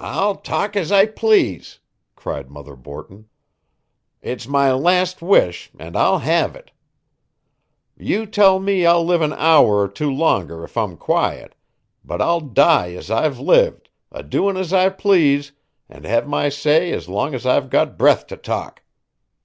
"I'll talk as I please," cried Mother Borton. "It's my last wish, and I'll have it. You tell me I'll live an hour or two longer if I'm quiet, but I'll die as I've lived, a doin' as I please, and have my say as long as I've got breath to talk.